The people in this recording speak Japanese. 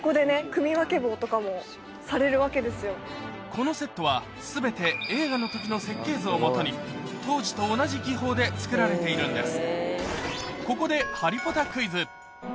このセットは全て映画の時の設計図をもとに当時と同じ技法で造られているんです